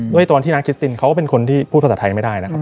ด้วยตอนที่นางคิสตินเขาก็เป็นคนที่พูดภาษาไทยไม่ได้นะครับ